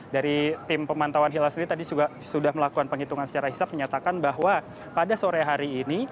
dari tim pemantauan hilal sendiri tadi sudah melakukan penghitungan secara hisap menyatakan bahwa pada sore hari ini